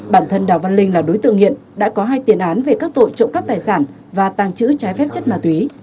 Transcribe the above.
bản thân đào văn linh là đối tượng nghiện đã có hai tiền án về các tội trộm cắp tài sản và tàng trữ trái phép chất ma túy